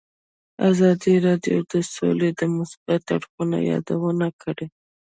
ازادي راډیو د سوله د مثبتو اړخونو یادونه کړې.